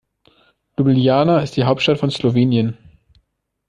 Ljubljana ist die Hauptstadt von Slowenien.